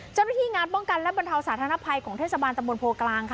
เจ้าหน้าที่งานป้องกันและบรรเทาสาธารณภัยของเทศบาลตำบลโพกลางค่ะ